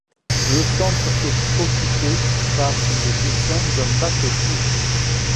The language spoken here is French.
Le centre est occupé par le dessin d'un batelier.